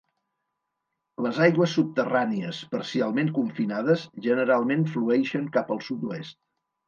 Les aigües subterrànies parcialment confinades generalment flueixen cap al sud-oest.